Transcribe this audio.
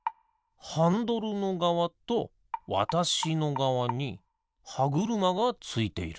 ハンドルのがわとわたしのがわにはぐるまがついている。